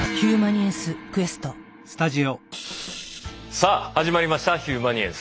さあ始まりました「ヒューマニエンス」。